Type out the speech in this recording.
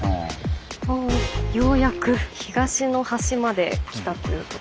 ようやく東の端まで来たということですかね。